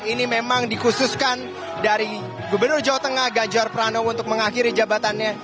ini memang dikhususkan dari gubernur jawa tengah ganjar pranowo untuk mengakhiri jabatannya